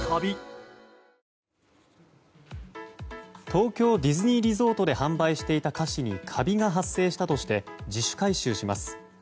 東京ディズニーリゾートで販売していた菓子にカビが発生したとして自主回収します。